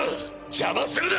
邪魔するな！